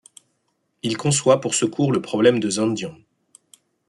Il conçoit pour ce cours le problème de Zendian.